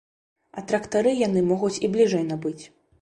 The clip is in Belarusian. А трактары яны могуць і бліжэй набыць.